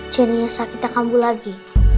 jadi nyasa kita kambuh lagi